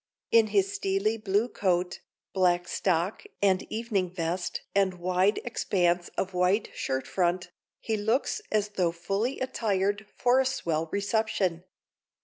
In his steely blue coat, black stock and evening vest and wide expanse of white shirt front, he looks as though fully attired for a swell reception.